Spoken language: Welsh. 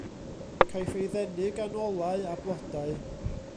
Caiff ei ddenu gan olau a blodau.